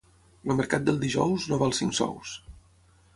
El mercat del dijous no val cinc sous.